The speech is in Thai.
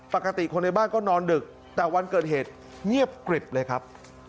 ปกติคนในบ้านก็นอนดึกแต่วันเกิดเหตุเงียบกริบเลยครับ